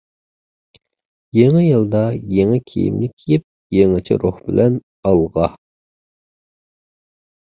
يېڭى يىلدا يېڭى كىيىمنى كىيىپ، يېڭىچە روھ بىلەن ئالغا!